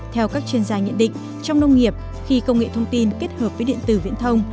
theo các chuyên gia nhận định trong nông nghiệp khi công nghệ thông tin kết hợp với điện tử viễn thông